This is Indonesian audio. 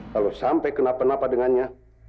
kalau sampai kenapa napa dengannya